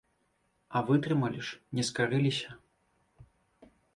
А вытрымалі ж, не скарыліся!